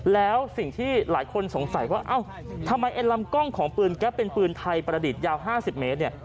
แล้วสิ่งที่หลายคนสงสัยว่าเอ้าทำไมไอ้ลำกล้องของปืนแก๊ปเป็นปืนไทยประดิษฐ์ยาว๕๐เมตรเนี่ย